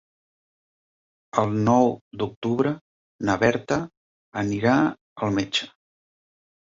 El nou d'octubre na Berta anirà al metge.